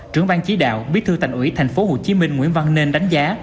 trưởng ban chí đạo bí thư thành ủy tp hcm nguyễn văn nên đánh giá